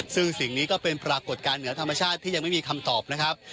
ซึ่งสิ่งนี้ก็เป็นปรากฏการณ์เหนือธรรมชาติที่ยังไม่มีคำตอบนะครับ